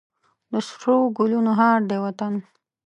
د سرو ګلونو هار دی وطن.